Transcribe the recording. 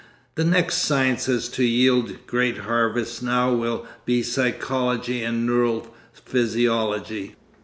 The next sciences to yield great harvests now will be psychology and neural physiology.